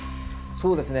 そうですね。